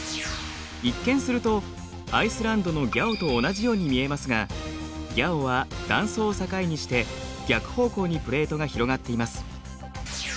一見するとアイスランドのギャオと同じように見えますがギャオは断層を境にして逆方向にプレートが広がっています。